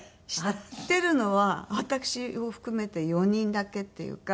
知ってるのは私を含めて４人だけっていうか。